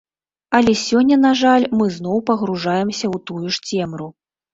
Але сёння, на жаль, мы зноў пагружаемся ў тую ж цемру.